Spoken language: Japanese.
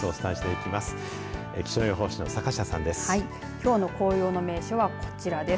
きょうの紅葉の名所はこちらです。